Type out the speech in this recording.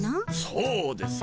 そうです。